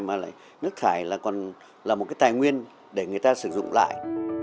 mà là nước thải là một cái tài nguyên để người ta sử dụng lại